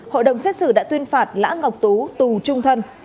hội đồng xét xử đã tuyên phạt lã ngọc tú tù trung thân